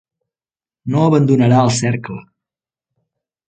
No abandonarà el cercle.